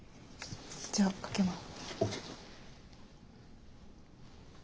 じゃあかけます。